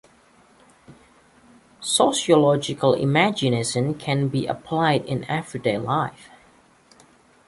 Sociological imagination can be applied in everyday life.